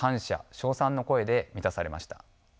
・称賛の声で満たされました。